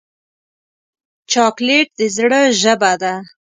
چاکلېټ د زړه ژبه ده.